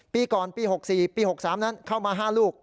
ปีก่อนปี๖๔ปี๖๓นั้นเข้ามา๕ลูก